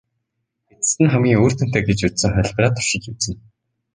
Эцэст нь хамгийн үр дүнтэй гэж үзсэн хувилбараа туршиж үзнэ.